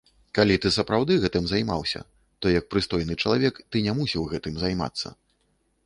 Калі ты сапраўды гэтым займаўся, то як прыстойны чалавек ты не мусіў гэтым займацца.